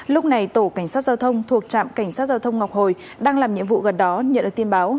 lúc này tổ cảnh sát giao thông thuộc trạm cảnh sát giao thông ngọc hồi đang làm nhiệm vụ gần đó nhận được tin báo